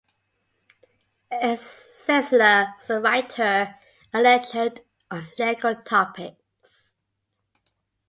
Zeisler was a writer and lectured on legal topics.